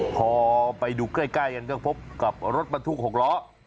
พอไปดูใกล้กันก็พบกับรถบรรทุก๖ล้อ